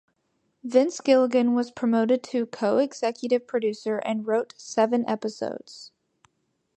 Vince Gilligan was promoted to co-executive producer and wrote seven episodes.